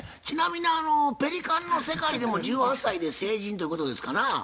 ちなみにペリカンの世界でも１８歳で成人ということですかな？